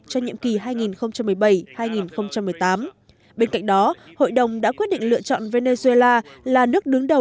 cho nhiệm kỳ hai nghìn một mươi bảy hai nghìn một mươi tám bên cạnh đó hội đồng đã quyết định lựa chọn venezuela là nước đứng đầu